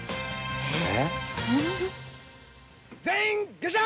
えっ？